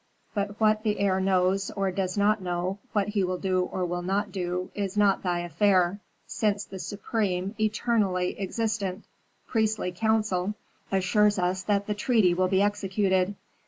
But what the heir knows or does not know, what he will do or will not do, is not thy affair, since the supreme, eternally existent priestly council assures us that the treaty will be executed.